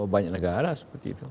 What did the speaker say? banyak negara seperti itu